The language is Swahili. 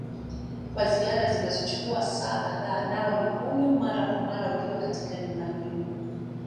kwa ziara zinazochukua saa kadhaa nawa mikono mara kwa mara ukiwa katika nyumba hiyo.